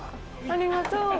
ありがとう。